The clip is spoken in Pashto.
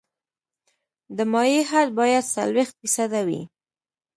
د مایع حد باید څلوېښت فیصده وي